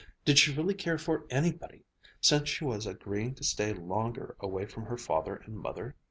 did she really care for anybody, since she was agreeing to stay longer away from her father and mother?